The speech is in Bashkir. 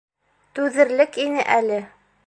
Түҙерлек ине әле.